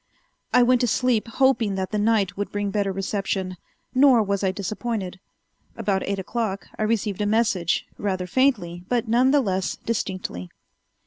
I went to sleep hoping that the night would bring better reception, nor was I disappointed. About eight o'clock I received a message, rather faintly, but none the less distinctly.